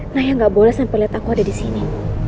naya gak boleh sampai lihat aku ada disini